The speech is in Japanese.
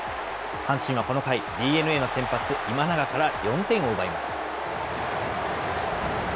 阪神はこの回、ＤｅＮＡの先発、今永から４点を奪います。